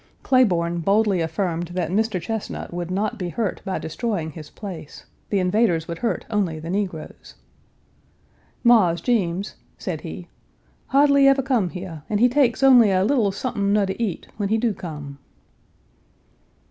Claiborne boldly affirmed that Mr. Chesnut would not be hurt by destroying his place; the invaders would hurt only the negroes. "Mars Jeems," said he, "hardly ever come here and he takes only a little sompen nur to eat when he do come."